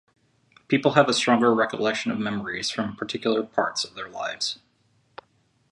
People have a stronger recollection of memories from particular parts of their lives.